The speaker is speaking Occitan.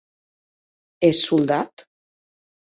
Ès soldat?